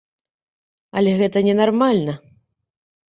Але гэта не нармальна.